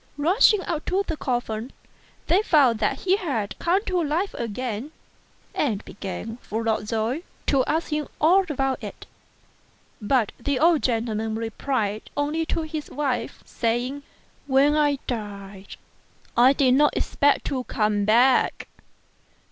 Rushing up to the coffin, they found that he had come to life again ; and began, full of joy, to ask him all about it. But the old gentleman replied only to his wife, saying, " When I died I did not expect to come back.